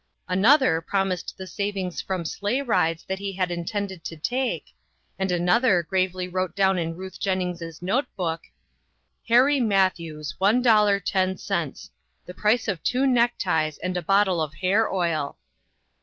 Another promised the savings from sleigh rides that he had intended to take, and an other gravely wrote down in Ruth Jennings' note book: "Harry Matthews, $1.10; the price of two new neckties and a bottle of hair oil